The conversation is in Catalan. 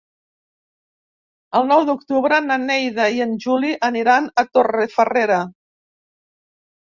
El nou d'octubre na Neida i en Juli aniran a Torrefarrera.